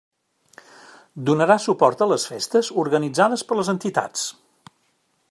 Donarà suport a les festes organitzades per les entitats.